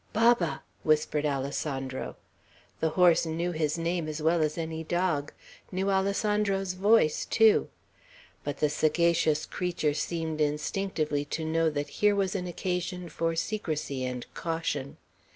"Baba," whispered Alessandro. The horse knew his name as well as any dog; knew Alessandro's voice too; but the sagacious creature seemed instinctively to know that here was an occasion for secrecy and caution.